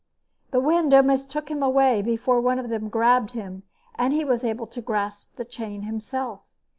The wind almost took him away before one of them grabbed him and he was able to grasp the chain himself.